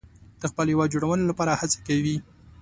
د خپل هیواد جوړونې لپاره هڅې کوي.